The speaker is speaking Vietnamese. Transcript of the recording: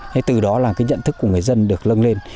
thế từ đó là cái nhận thức của người dân được lân lên